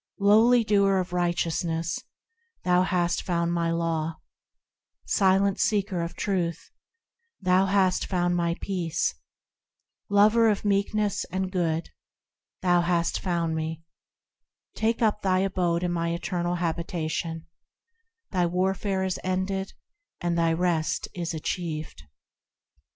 Lowly doer of righteousness, thou hast found my Law, Silent seeker of Truth, thou hast found my Peace, Lover of meekness and Good, thou hast found Me; Take up thy abode in my eternal Habitation, Thy warfare is ended, and thy rest is achieved."